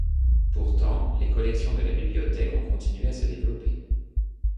Pourtant, les collections de la bibliothèque ont continué à se développer.